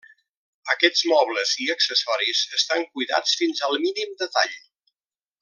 Aquests mobles i accessoris estan cuidats fins al mínim detall.